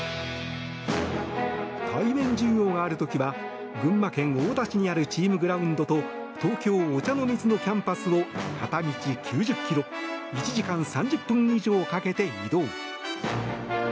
対面授業がある時は群馬県太田市にあるチームグラウンドと東京・御茶ノ水のキャンパスを片道９０ｋｍ１時間３０分以上かけて移動。